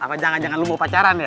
apa jangan jangan lo mau pacaran ya